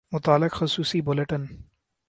متعلق خصوصی بلیٹن